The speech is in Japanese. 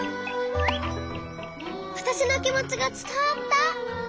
わたしのきもちがつたわった！